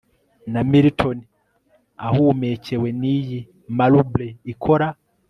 na milton, ahumekewe niyi marble ikora